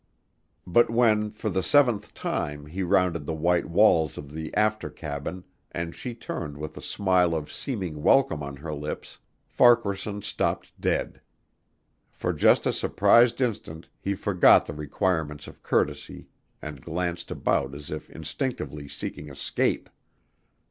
But when, for the seventh time, he rounded the white walls of the after cabin and she turned with a smile of seeming welcome on her lips, Farquaharson stopped dead. For just a surprised instant he forgot the requirements of courtesy and glanced about as if instinctively seeking escape.